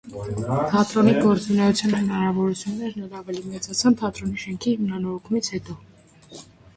Թատրոնի գործունեության հնարավորություններն էլ ավելի մեծացան թատրոնի շենքի հիմնանորոգումից հետո։